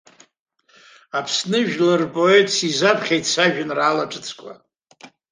Аԥсны жәлар рпоет сизаԥхьеит сажәеинраала ҿыцқәа.